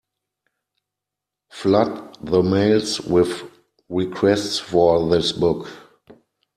Flood the mails with requests for this book.